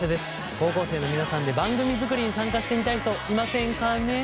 高校生の皆さんで番組作りに参加してみたい人いませんかね？